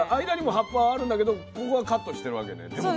間にも葉っぱはあるんだけどここはカットしてるわけね。